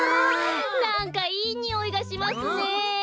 なんかいいにおいがしますねえ。